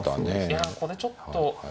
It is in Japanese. いやこれちょっと。